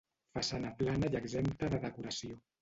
Façana plana i exempta de decoració.